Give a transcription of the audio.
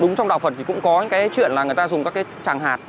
đúng trong đạo phật thì cũng có cái chuyện là người ta dùng các cái tràng hạt